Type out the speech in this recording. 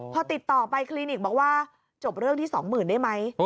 พอติดต่อไปคลินิกบอกว่าจบเรื่องที่๒๐๐๐ได้ไหม